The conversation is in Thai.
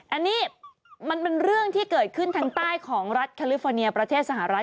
อันนี้มันเป็นเรื่องที่เกิดขึ้นทางใต้ของรัฐแคลิฟอร์เนียประเทศสหรัฐ